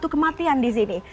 kematian di sini